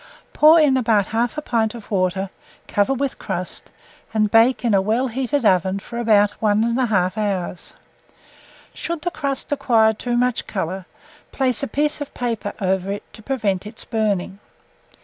Pour in about 1/2 pint of water, cover with crust, and bake in a well heated oven for about 1 1/2 hour. Should the crust acquire too much colour, place a piece of paper over it to prevent its burning.